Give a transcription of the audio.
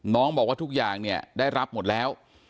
บอกว่าทุกอย่างเนี่ยได้รับหมดแล้ว